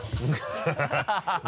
ハハハ